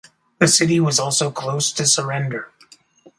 The city was also close to surrender.